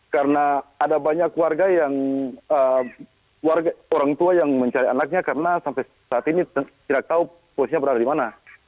karena ada banyak warga yang orang tua yang mencari anaknya karena sampai saat ini tidak tahu polisinya berada dimana